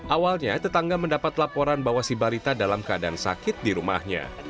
awalnya tetangga mendapat laporan bahwa si balita dalam keadaan sakit di rumahnya